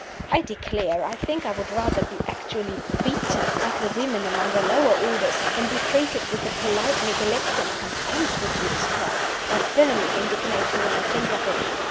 I declare, I think I would rather be actually beaten, like the women among the lower orders, than be treated with the polite neglect and contempt which you describe. I burn with indignation when I think of it.